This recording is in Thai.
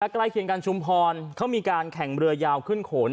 ใกล้เคียงกันชุมพรเขามีการแข่งเรือยาวขึ้นขน